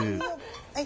はい。